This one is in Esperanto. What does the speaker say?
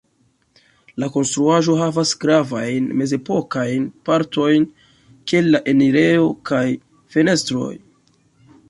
La konstruaĵo havas gravajn mezepokajn partojn, kiel la enirejo kaj fenestroj.